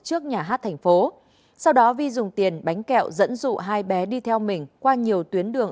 trước nhà hát thành phố sau đó vi dùng tiền bánh kẹo dẫn dụ hai bé đi theo mình qua nhiều tuyến đường